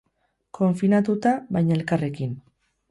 Konfinatuta, baina elkarrekin.